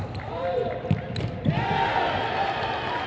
สวัสดีครับ